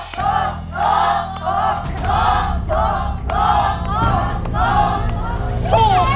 สูงครับ